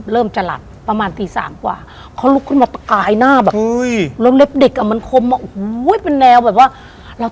เราก็มานั่งคิดว่าเอ๊ะ